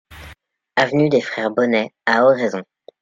Avenue des Frères Bonnet à Oraison